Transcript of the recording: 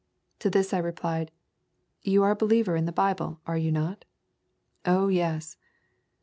To this I replied, "You are a believer in the Bible, are you not?" "Oh, yes."